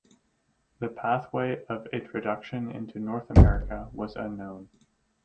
The pathway of introduction into North America was unknown.